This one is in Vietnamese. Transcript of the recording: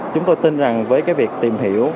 chúng tôi tin rằng với cái việc tìm hiểu